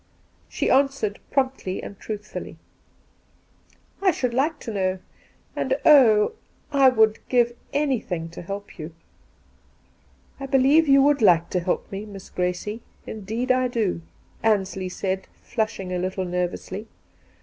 She answered promptly and truthfully :' I should like to know, a,nd oh ! I would give anything to help you 1' ' I believe you would like to help me, Miss Grade ; indeed I do !' Ansley said, flushing a little nervously.